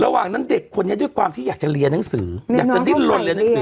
ระหว่างนั้นเด็กคนนี้ด้วยความที่อยากจะเรียนหนังสืออยากจะดิ้นลนเรียนหนังสือ